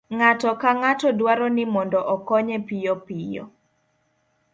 ng'ato ka ng'ato dwaro ni mondo okonye piyopiyo